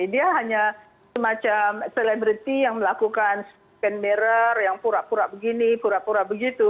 dia hanya semacam selebriti yang melakukan scan mirror yang pura pura begini pura pura begitu